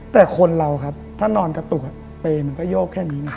แต่คนเราครับถ้านอนกระตุกเปย์มันก็โยกแค่นี้นะ